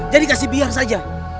jadi kasih biar saja